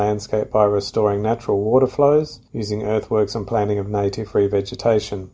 ini dapat membantu membuat sistem pembelajaran yang berkelanjutan